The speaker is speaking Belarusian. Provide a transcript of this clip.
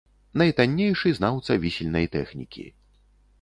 Найтаннейшы знаўца вісельнай тэхнікі.